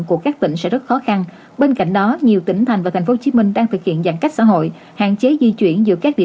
của các tỉnh sẽ rất khó khăn